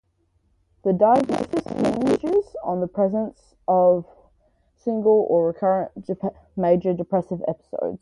The diagnosis hinges on the presence of single or recurrent major depressive episodes.